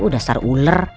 udah star uler